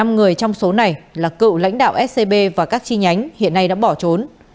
năm người trong số này là cựu lãnh đạo scb và các chi nhánh hiện nay đã bỏ trốn